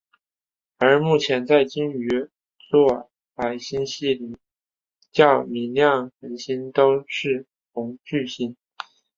而目前在鲸鱼座矮星系里较明亮恒星都是红巨星。